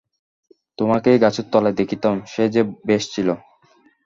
তোমাকে গাছের তলায় দেখিতাম, সে যে বেশ ছিল।